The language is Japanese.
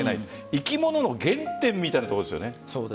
生き物の原点みたいなところですよね。